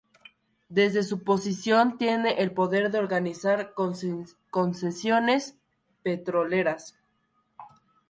Desde su posición, tiene el poder de organizar concesiones petroleras.